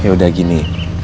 ya udah gini